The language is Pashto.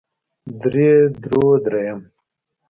درې درو درېيم